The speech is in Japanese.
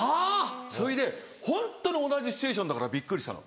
それでホントに同じシチュエーションだからびっくりしたの。